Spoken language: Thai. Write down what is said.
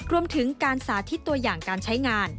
รวมถึงการสาธิตตัวอย่างการใช้งาน